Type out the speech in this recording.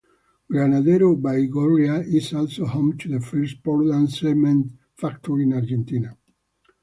Granadero Baigorria is also home to the first Portland cement factory in Argentina.